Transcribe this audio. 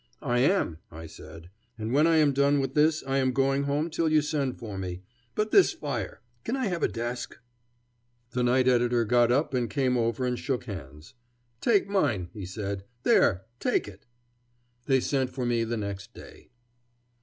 "I am," I said, "and when I am done with this I am going home till you send for me. But this fire can I have a desk?" The night editor got up and came over and shook hands. "Take mine," he said. "There! take it!" They sent for me the next day.